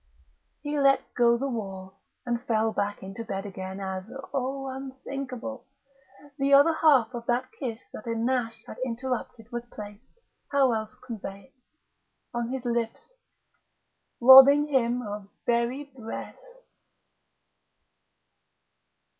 He let go the wall and fell back into bed again as oh, unthinkable! the other half of that kiss that a gnash had interrupted was placed (how else convey it?) on his lips, robbing him of very breath....